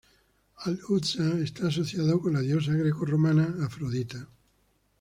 Al-'Uzza está asociado con la diosa greco-romana Afrodita.